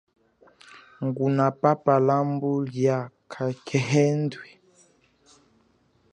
Ngunapapa lambu lia kakhendwe.